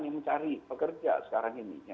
yang mencari pekerja sekarang ini